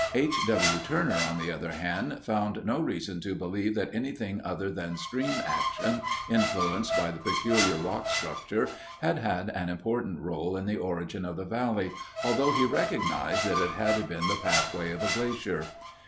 H. W. Turner, on the other hand, found no reason to believe that anything other than stream action, influenced by the peculiar rock structure, had had an important role in the origin of the valley, although he recognized that it had been the pathway of a glacier.